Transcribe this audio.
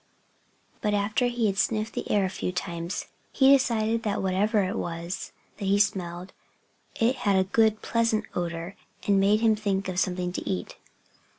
But after he had sniffed the air a few times he decided that whatever it was that he smelled, it had a good, pleasant odor, and made him think of something to eat.